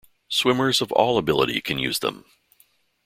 Swimmers of all ability can use them.